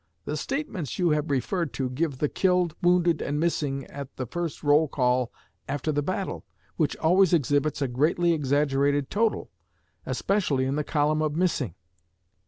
The statements you have referred to give the killed, wounded, and missing at the first roll call after the battle, which always exhibits a greatly exaggerated total, especially in the column of missing.'"